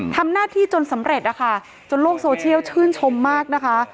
ทำหน้าที่จนสำเร็จนะคะจนโลกโซเชียลชื่นชมมากนะคะ